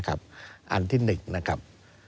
อันที่๑นะครับ